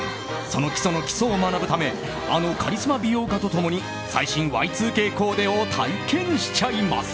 その基礎の基礎を学ぶためあのカリスマ美容家と共に最新Ｙ２Ｋコーデを体験しちゃいます。